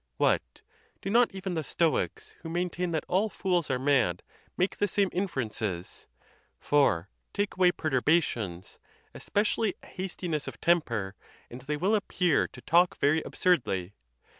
What! do not even the Stoics, who maintain that all fools are mad, make the same inferences? for, take away per turbations, especially a hastiness of temper, and they will appear to talk very absurdly.